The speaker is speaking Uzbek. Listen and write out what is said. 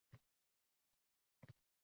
Qo‘shimcha majburiyat olamiz dedi.